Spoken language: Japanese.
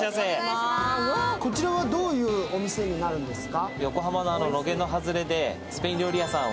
こちらはどういうお店になるんですか？